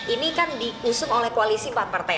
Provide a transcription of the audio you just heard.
ini kan diusung oleh koalisi empat partai